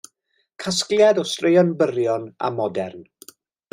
Casgliad o straeon byrion a modern.